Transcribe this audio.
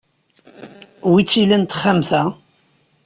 Wi tt-ilan texxamt-a?